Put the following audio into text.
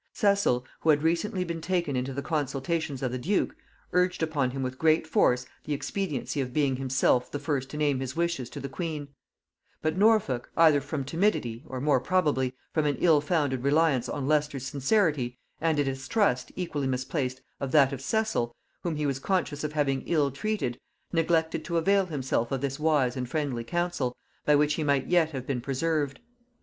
Cecil, who had recently been taken into the consultations of the duke, urged upon him with great force the expediency of being himself the first to name his wishes to the queen; but Norfolk, either from timidity, or, more probably, from an ill founded reliance on Leicester's sincerity, and a distrust, equally misplaced, of that of Cecil, whom he was conscious of having ill treated, neglected to avail himself of this wise and friendly counsel, by which he might yet have been preserved.